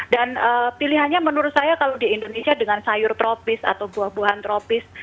dan pilihannya menurut saya kalau di indonesia dengan sayur tropis atau buah buahan tropis